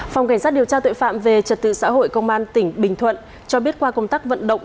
phòng cảnh sát điều tra tội phạm về trật tự xã hội công an tỉnh bình thuận cho biết qua công tác vận động